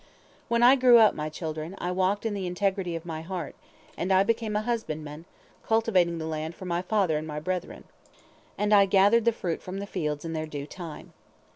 "When I grew up, my children, I walked in the integrity of my heart, and I became a husbandman, cultivating the land for my father and my brethren, and I gathered the fruit from the fields in their due time.